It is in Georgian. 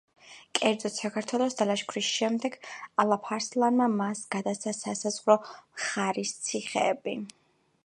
კერძოდ, საქართველოს დალაშქვრის შემდეგ ალფ-არსლანმა მას გადასცა „სასაზღვრო მხარის“ ციხეები.